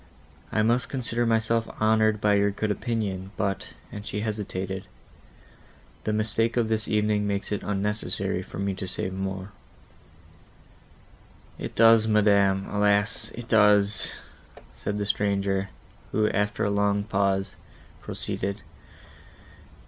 I must consider myself honoured by your good opinion, but"—and she hesitated,—"the mistake of this evening makes it unnecessary for me to say more." "It does, madam,—alas! it does!" said the stranger, who, after a long pause, proceeded.